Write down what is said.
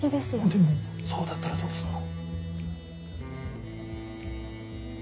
でもそうだったらどうすんの？